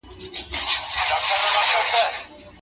قومي یووالی پکې مهم اصل ګڼل کېږي.